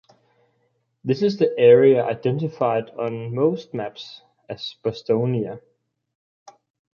This is the area identified on most maps as Bostonia.